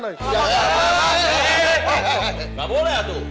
nggak boleh atu